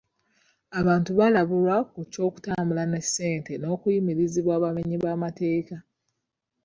Abantu baalabulwa ku ky'okutambula ne ssente n'okuyimirizibwa abamenyi b'amateeka.